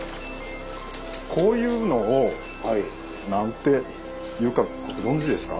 こういうのを何て言うかご存じですか？